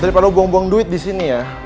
daripada lu buang dua duit disini ya